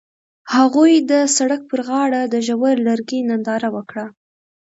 هغوی د سړک پر غاړه د ژور لرګی ننداره وکړه.